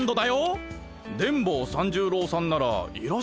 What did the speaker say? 電ボ三十郎さんならいらっしゃいませんが。